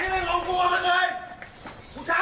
ขอบคุณพระเจ้า